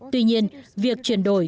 tuy nhiên việc chuyển đổi